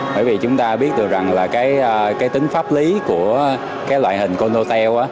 bởi vì chúng ta biết được rằng là cái tính pháp lý của loại hình kindertel